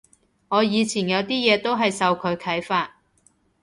我以前有啲嘢都係受佢啓發